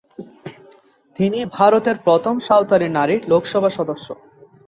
তিনি ভারতের প্রথম সাঁওতালি নারী লোকসভা সদস্য।